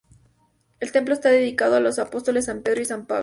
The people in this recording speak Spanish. El templo está dedicado a los apóstoles San Pedro y San Pablo.